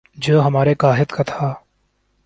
جو ہمارے قاہد کا تھا